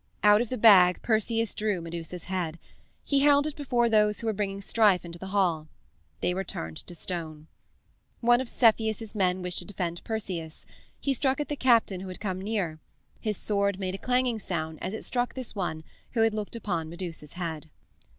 Out of the bag Perseus drew Medusa's head. He held it before those who were bringing strife into the hall. They were turned to stone. One of Cepheus's men wished to defend Perseus: he struck at the captain who had come near; his sword made a clanging sound as it struck this one who had looked upon Medusa's head.